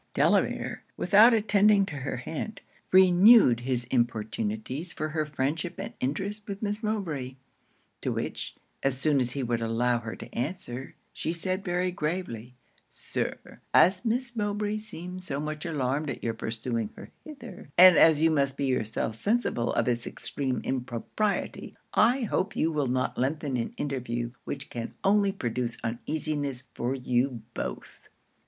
Delamere, without attending to her hint, renewed his importunities for her friendship and interest with Miss Mowbray; to which, as soon as he would allow her to answer, she said very gravely 'Sir, as Miss Mowbray seems so much alarmed at your pursuing her hither, and as you must be yourself sensible of it's extreme impropriety, I hope you will not lengthen an interview which can only produce uneasiness for you both.'